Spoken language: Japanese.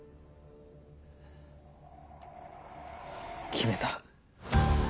決めた。